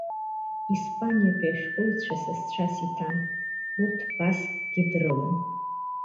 Испаниатәи ашәҟәыҩҩцәа сасцәас иҭан, урҭ басккгьы дрылан.